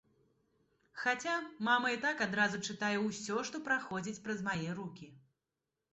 Хаця мама і так адразу чытае ўсё, што праходзіць праз мае рукі.